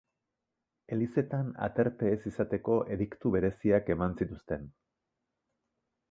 Elizetan aterpe ez izateko ediktu bereziak eman zituzten.